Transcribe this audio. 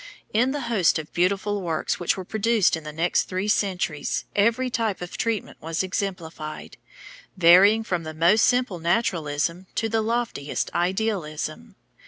In the host of beautiful works which were produced in the next three centuries, every type of treatment was exemplified, varying from the most simple naturalism to the loftiest idealism.